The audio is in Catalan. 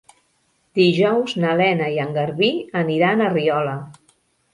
Dijous na Lena i en Garbí aniran a Riola.